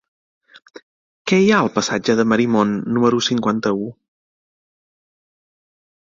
Què hi ha al passatge de Marimon número cinquanta-u?